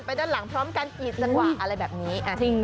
ด้านหลังพร้อมกันอีกจังหวะอะไรแบบนี้